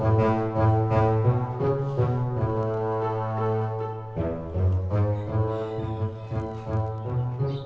sampai jumpa lagi